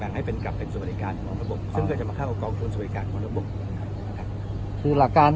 แบ่งให้เป็นกลับเป็นสวัสดิการของระบบซึ่งก็จะมาเข้ากับกองทุนสวัสดิการของระบบ